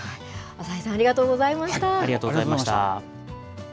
浅井さん、ありがとうございました。